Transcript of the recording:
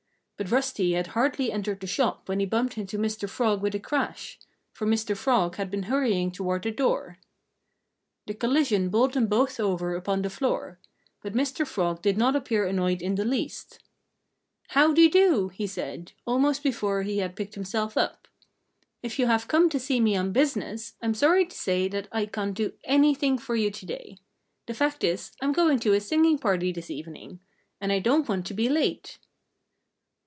But Rusty had hardly entered the shop when he bumped into Mr. Frog with a crash; for Mr. Frog had been hurrying toward the door. The collision bowled them both over upon the floor. But Mr. Frog did not appear annoyed in the least. "How dy do!" he said, almost before he had picked himself up. "If you have come to see me on business, I'm sorry to say that I can't do anything for you to day.... The fact is, I'm going to a singing party this evening. And I don't want to be late."